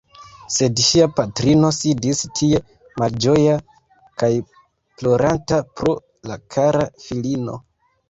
Sed ŝia patrino sidis tie malĝoja kaj ploranta pro la kara filino.